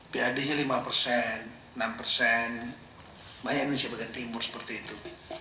pad nya lima enam banyaknya di bagian timur seperti itu